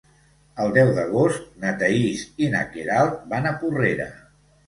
El deu d'agost na Thaís i na Queralt van a Porrera.